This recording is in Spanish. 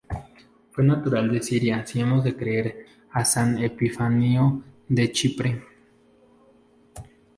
Fue natural de Siria si hemos de creer a san Epifanio de Chipre.